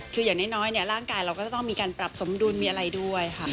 คืออย่างน้อยร่างกายเราก็จะต้องมีการปรับสมดุลมีอะไรด้วยค่ะ